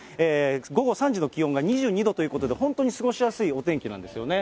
午後３時、気温が２２度ということで、本当に過ごしやすいお天気なんですよね。